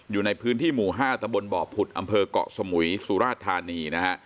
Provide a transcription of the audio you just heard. อยู่ในพื้นที่หมู่๕ตะบนบ่อผุดอำเภอกเกาะสมุยสุราชธานีนะฮะ